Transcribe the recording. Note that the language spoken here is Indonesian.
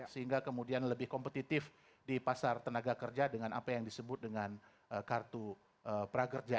sehingga kemudian lebih kompetitif di pasar tenaga kerja dengan apa yang disebut dengan kartu prakerja